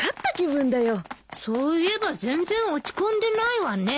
そういえば全然落ち込んでないわね。